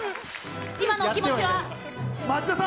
今のお気持ちは？